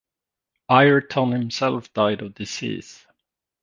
Ireton himself died of disease.